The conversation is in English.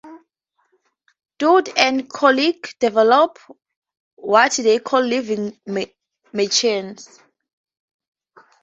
Todd and colleagues developed what they called "living machines".